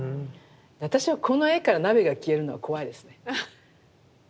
私はこの絵から鍋が消えるのは怖いですね。